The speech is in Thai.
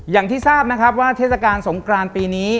อย่างที่ทราบนะครับว่าเทศกาลสงกรานปีนี้